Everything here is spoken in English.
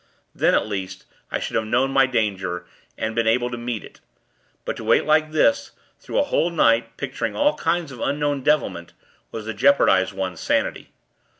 Then, at least, I should have known my danger, and been able to meet it; but to wait like this, through a whole night, picturing all kinds of unknown devilment, was to jeopardize one's sanity.